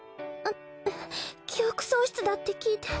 記憶喪失だって聞いて。